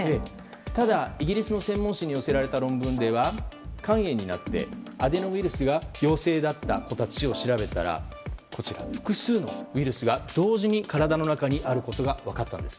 ただイギリスの専門誌に寄せられた論文では、肝炎になってアデノウイルスが陽性だった子たちを調べたら複数のウイルスが同時に体の中にあることが分かったんです。